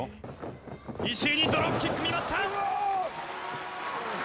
石井にドロップキック見舞った！